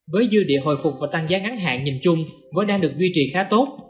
với dư địa hồi phục và tăng giá ngắn hạn nhìn chung vẫn đang được duy trì khá tốt